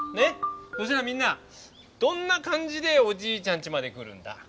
そしたらみんなどんな感じでおじいちゃんちまで来るんだ？